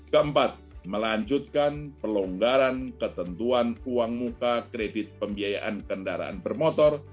keempat melanjutkan pelonggaran ketentuan uang muka kredit pembiayaan kendaraan bermotor